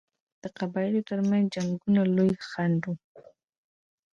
د قبایلو ترمنځ جنګونه لوی خنډ وو.